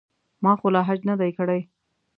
ما خو لا حج نه دی کړی.